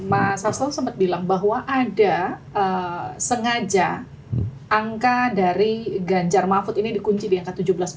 mas sasto sempat bilang bahwa ada sengaja angka dari ganjar mahfud ini dikunci di angka tujuh belas empat puluh